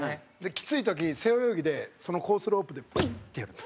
きつい時背泳ぎでそのコースロープでグインってやって。